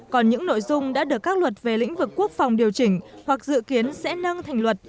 còn những nội dung đã được các luật về lĩnh vực quốc phòng điều chỉnh hoặc dự kiến sẽ nâng thành luật